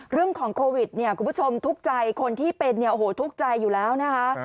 เรื่องของโควิดเนี่ยคุณผู้ชมทุกข์ใจคนที่เป็นเนี่ยโอ้โหทุกข์ใจอยู่แล้วนะคะ